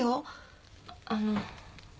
あの。